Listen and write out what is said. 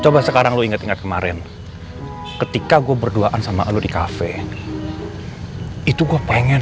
coba sekarang lo ingat ingat kemarin ketika gue berduaan sama lo di kafe itu gue pengen